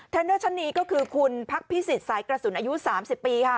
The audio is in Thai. เนอร์ชั้นนี้ก็คือคุณพักพิสิทธิ์สายกระสุนอายุ๓๐ปีค่ะ